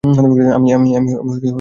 আমি এটা চেপে দিলাম।